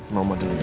mau mau dulu ya